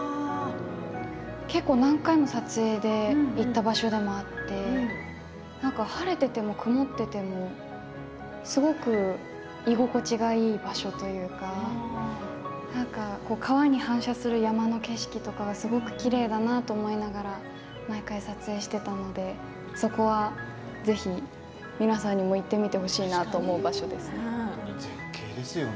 結構、何回も撮影で行った場所でもあって晴れていても曇っていてもすごく居心地がいい場所というか川に反射する山の景色とかすごくきれいだなと思いながら毎回、撮影していたのでそこはぜひ皆さんにも行ってみてほしいなと思う絶景ですよね。